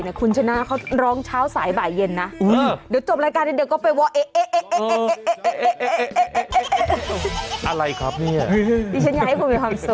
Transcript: ดิฉันอยากให้คุณมีความสุข